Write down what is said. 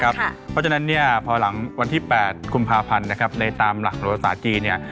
เพราะฉะนั้นเนี่ยพอหลังวันที่๘คุมภาพันธ์นะครับในตามหลังโรศาจีนเนี่ย